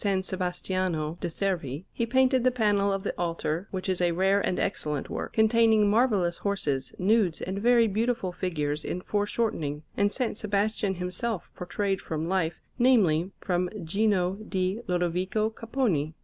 Sebastiano de' Servi, he painted the panel of the altar, which is a rare and excellent work, containing marvellous horses, nudes, and very beautiful figures in foreshortening, and S. Sebastian himself portrayed from life namely, from Gino di Lodovico Capponi.